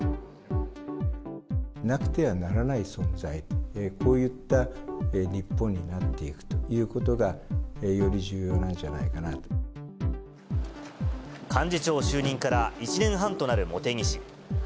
なくてはならない存在、こういった日本になっていくということが、幹事長就任から１年半となる茂木氏。